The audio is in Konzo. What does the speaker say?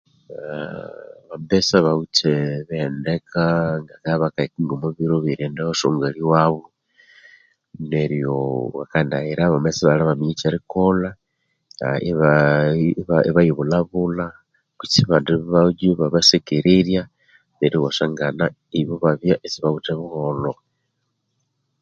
Eh abambesa bawithe ebihendeka bakabya bakahika ngomo biiro ebye righenda owa sungali wabo neryo bakanayira bamabya isi balimaminya ekyerikolha eh iba iba yibulhabulha kuse abandi bojo iba basekererya neryo iwasangana ibo ibabya isi bawithe buholho